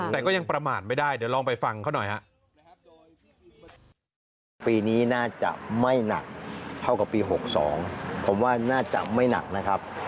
แต่ก็ยังประมาทไม่ได้เดี๋ยวลองไปฟังเขาหน่อยฮะ